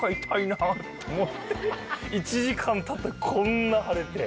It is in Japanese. １時間たったらこんな腫れて。